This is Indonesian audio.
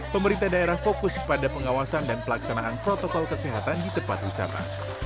pemerintah daerah fokus pada pengawasan dan pelaksanaan protokol kesehatan di tempat wisata